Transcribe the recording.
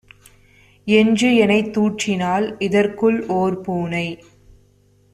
என்றுஎனைத் தூற்றினாள். இதற்குள் ஓர்பூனை